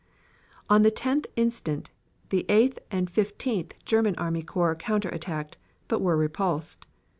On the 10th inst., the Eighth and Fifteenth German army corps counter attacked, but were repulsed.